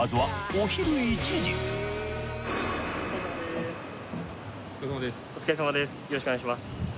お願いします。